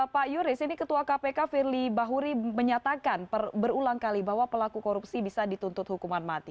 pak yuris ini ketua kpk firly bahuri menyatakan berulang kali bahwa pelaku korupsi bisa dituntut hukuman mati